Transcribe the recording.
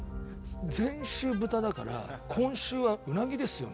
「前週豚だから今週はうなぎですよね？」と。